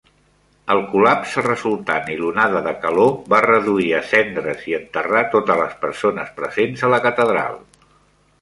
El col·lapse resultant i l'onada de calor va reduir a cendres i enterrar totes les persones presents a la catedral.